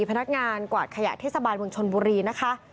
พนักงานกวาดขยะเทศบาลเมืองชนบุรีนะคะ